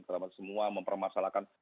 terdapat semua mempermasalahkan